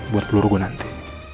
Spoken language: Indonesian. buat peluru gue nanti